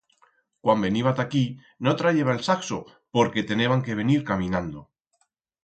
Cuando veniba ta aquí, no trayeba el saxo porque teneban que venir caminando.